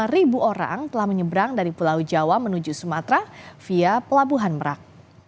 lima ribu orang telah menyeberang dari pulau jawa menuju sumatera via pelabuhan merak